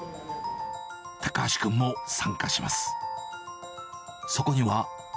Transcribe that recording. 高橋君も参加します。